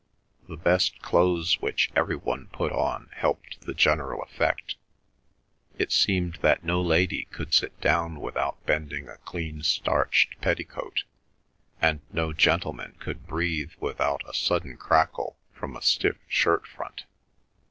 The best clothes which every one put on helped the general effect; it seemed that no lady could sit down without bending a clean starched petticoat, and no gentleman could breathe without a sudden crackle from a stiff shirt front.